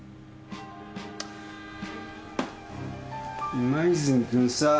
今泉君さ。